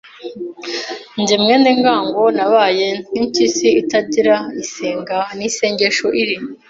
Jye Mwenengango nabaye nk' impyisi itagira isenga n' isengesho iri